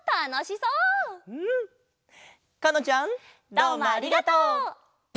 どうもありがとう！